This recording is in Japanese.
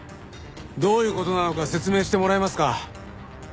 どういう事なのか説明してもらえますか？